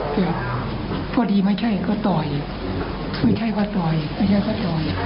แต่พอดีไม่ใช่ก็ต่อยคือไม่ใช่ว่าต่อยไม่ใช่เขาต่อย